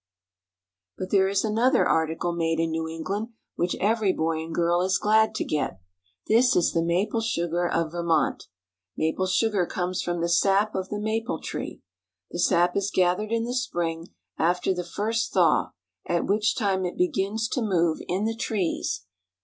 But there is another article made in New England which every boy and girl is glad to get. This is the maple sugar of Vermont. Maple sugar comes from the sap of the maple tree. The sap is gathered in the spring, after the first thaw, at which time it begins to move in the trees.